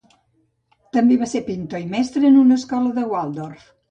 També va ser pintor i mestre en una escola Waldorf.